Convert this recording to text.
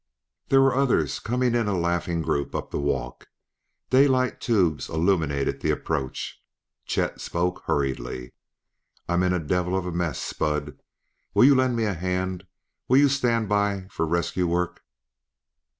There were others coming in a laughing group up the walk; daylight tubes illuminated the approach. Chet spoke hurriedly. "I'm in a devil of a mess, Spud. Will you lend a hand? Will you stand by for rescue work?"